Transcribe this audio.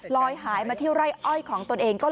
หายมาที่ไร่อ้อยของตนเอง